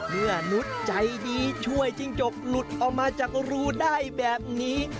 นุษย์ใจดีช่วยจิ้งจกหลุดออกมาจากรูได้แบบนี้